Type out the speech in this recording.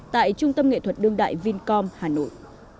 tại trung tâm nghệ thuật đương đại vincom hà nội